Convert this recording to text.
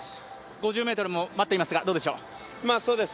５０ｍも待っていますが、どうでしょう。